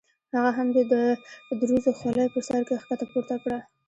هغه هم د دروزو خولۍ په سر کې ښکته پورته کړه.